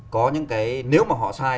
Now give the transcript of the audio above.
có những cái nếu mà họ sai